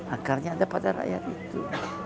akarnya ada pada rakyat itu